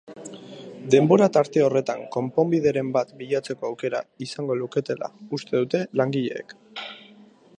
Denbora tarte horretan konponbideren bat bilatzeko aukera izango luketela uste dute langileek.